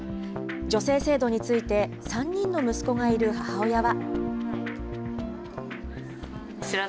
助成制度について、３人の息子がいる母親は。